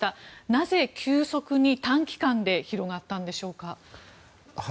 なぜ急速に短期間で広がったんでしょうか。